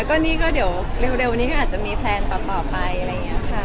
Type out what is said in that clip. ก็นี่ก็เดี๋ยวเร็วนี้ก็อาจจะมีแพลนต่อไปอะไรอย่างนี้ค่ะ